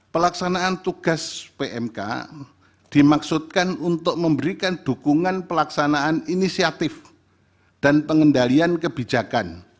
pelaksanaan tugas pmk dimaksudkan untuk memberikan dukungan pelaksanaan inisiatif dan pengendalian kebijakan